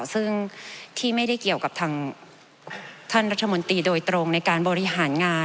ซึ่งที่ไม่ได้เกี่ยวกับทางท่านรัฐมนตรีโดยตรงในการบริหารงาน